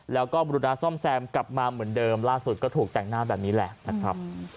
แล้วก็บรุณาซ่อมแซมกลับมาเหมือนเดิมล่าสุดก็ถูกแต่งหน้าแบบนี้แหละนะครับ